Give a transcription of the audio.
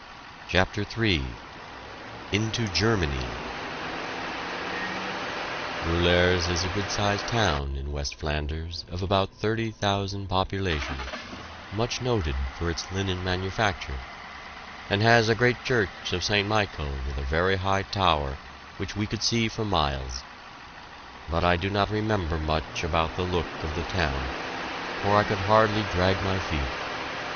CHAPTER III INTO GERMANY Roulers is a good sized town in West Flanders, of about thirty thousand population, much noted for its linen manufacture; and has a great church of St. Michael with a very high tower, which we could see for miles. But I do not remember much about the look of the town, for I could hardly drag my feet.